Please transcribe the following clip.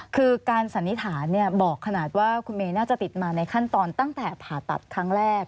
คือการสันนิษฐานบอกขนาดว่าคุณเมย์น่าจะติดมาในขั้นตอนตั้งแต่ผ่าตัดครั้งแรก